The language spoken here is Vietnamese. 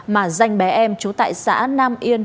mà danh bé em trú tại xã nam yên